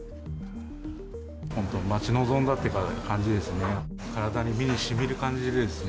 本当、待ち望んだっていう感じですね。